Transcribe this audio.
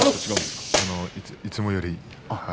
いつもより。